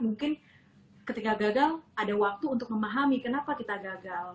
mungkin ketika gagal ada waktu untuk memahami kenapa kita gagal